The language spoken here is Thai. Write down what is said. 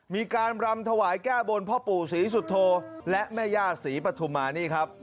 มีการรำถวายแก้บนพ่อปู่ศรีสุโธและแม่ย่าศรีปฐุมานี่ครับ